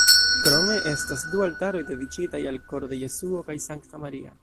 Krome estas du altaroj dediĉitaj al Koro de Jesuo kaj Sankta Maria.